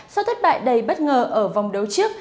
sau thất bại đầy bất ngờ ở vòng đấu trước